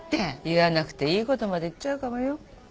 言わなくていいことまで言っちゃうかもよ。